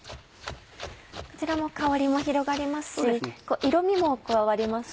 こちらも香りも広がりますし色みも加わりますね。